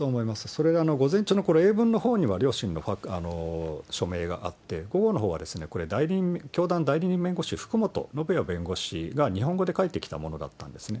それが、午前中の英文のほうには両親の署名があって、午後のほうはこれ、教団代理人弁護士、福本のぶや弁護士が、日本語で書いてきたものだったんですね。